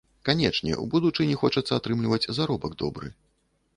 Канечне, у будучыні хочацца атрымліваць заробак добры.